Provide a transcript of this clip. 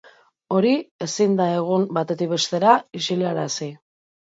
Hori ezin da egun batetik bestera isilarazi.